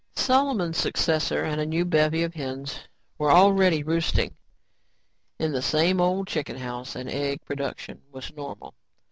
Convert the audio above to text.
Solomon's successor and a new bevy of hens were already roosting in the same old chicken house and egg production was normal.